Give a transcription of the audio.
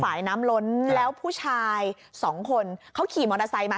ฝ่ายน้ำล้นแล้วผู้ชายสองคนเขาขี่มอเตอร์ไซค์มา